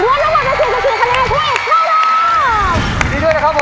ทีนี้ด้วยนะครับผม